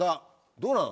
どうなの？